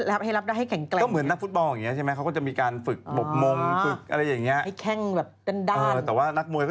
แบบโอ้โหและมันเตะโทษต้นกล้วยหักโครมเลยน่ากลัวมาก